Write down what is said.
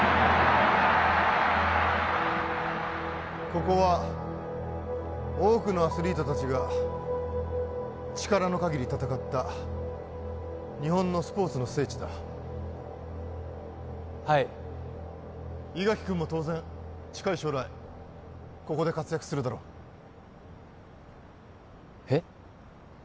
ここは多くのアスリート達が力の限り戦った日本のスポーツの聖地だはい伊垣君も当然近い将来ここで活躍するだろうえっ？